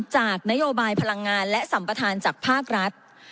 จากนโยบายพลังงานและสัมประธานจากภาครัฐ